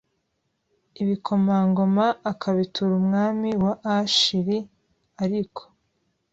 ibikomangoma akabitura umwami wa Ash ri ariko